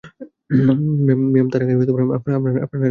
Ma'am, তার আগে, আপনার নায়না সম্পর্কে কিছু জানার দরকার।